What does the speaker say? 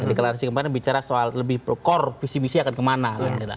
deklarasi kemarin bicara soal lebih core visi misi akan kemana